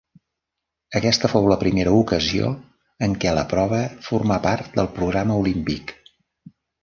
Aquesta fou la primera ocasió en què la prova formà part del programa Olímpic.